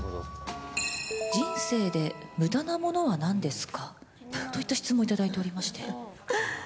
人生でむだなものはなんですか？といった質問を頂いておりまして。